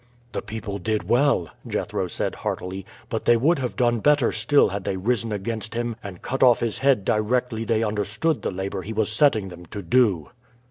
"The people did well," Jethro said heartily; "but they would have done better still had they risen against him and cut off his head directly they understood the labor he was setting them to do."